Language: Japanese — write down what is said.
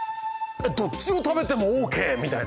どっちを食べてもオーケーみたいな。